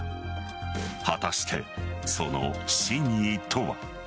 果たして、その真意とは。